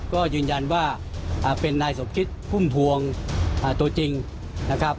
ก็ยืนยันว่าเป็นนายสมคิดพุ่มพวงตัวจริงนะครับ